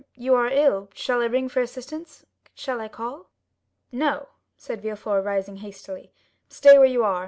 You are ill—shall I ring for assistance?—shall I call?" "No," said Villefort, rising hastily; "stay where you are.